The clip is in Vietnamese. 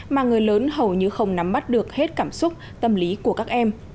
mà người lớn hầu như không nắm mắt được hết cảm xúc tâm lý của các em